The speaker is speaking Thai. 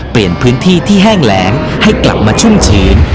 เปลี่ยนพื้นที่ที่แห้งแรงให้กลับมาชุ่มชื้น